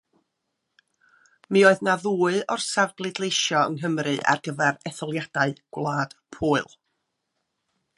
Mi oedd na ddwy orsaf bleidleisio yng Nghymru ar gyfer etholiadau Gwlad Pwyl.